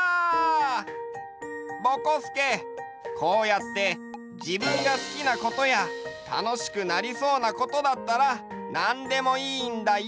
ぼこすけこうやってじぶんがすきなことやたのしくなりそうなことだったらなんでもいいんだよ！